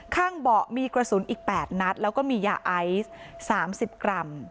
เบาะมีกระสุนอีก๘นัดแล้วก็มียาไอซ์๓๐กรัม